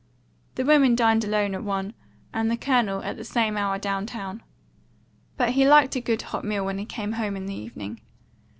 The women dined alone at one, and the Colonel at the same hour down town. But he liked a good hot meal when he got home in the evening.